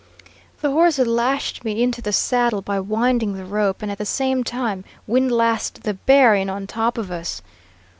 The horse had lashed me into the saddle by winding the rope, and at the same time windlassed the bear in on top of us.